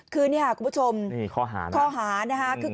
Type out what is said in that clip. คือคุณผู้ชมข้อหานะครับ